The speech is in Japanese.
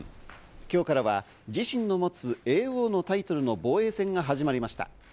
今日からは自身の持つ叡王のタイトルの防衛戦が始まりました。